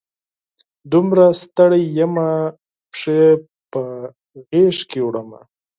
دومره ستړي یمه، پښې په غیږ کې وړمه